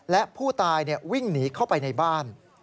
และผู้ตายวิ่งหนีเข้าไปในบ้าน